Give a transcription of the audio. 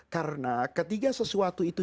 karena ketika sesuatu itu